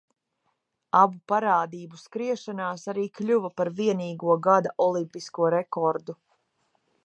Abu parādību skriešanās arī kļuva par vienīgo gada olimpisko rekordu.